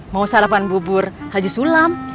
mau sarapan bubur haji sulam